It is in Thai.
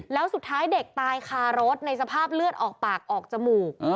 แล้วสุดท้ายเด็กตายคารถในสภาพเลือดออกปากออกจมูก